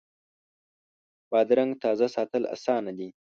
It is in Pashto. بادرنګ تازه ساتل اسانه دي.